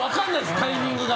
タイミングが。